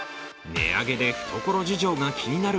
値上げで懐事情が気になる